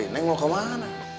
neng mau kemana